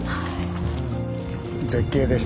絶景でした。